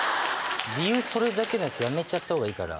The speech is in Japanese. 理由それだけの奴やめちゃったほうがいいから。